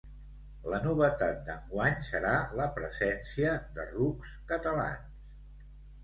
La novetat d'enguany serà la presència de rucs catalans.